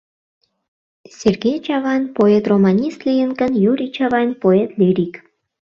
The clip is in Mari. Сергей Чавайн поэт-романист лийын гын, Юрий Чавайн — поэт-лирик.